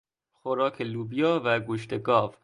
خوراک لوبیا و گوشت گاو